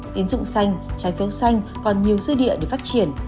tín dụng xanh trái phiếu xanh còn nhiều dư địa để phát triển